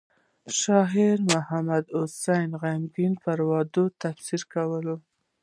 شاعر محمد حسين غمګين پر وعدو تبصره کوله.